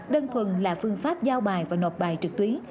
đơn thuần là phương pháp giao bài và nộp bài trực tuyến